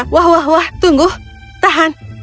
wah wah wah tunggu tahan